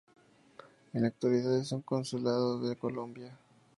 En la actualidad es un consulado de Colombia.